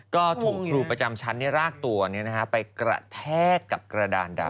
ก็ถูกครูประจำชั้นรากตัวไปกระแทกกับกระดานดำ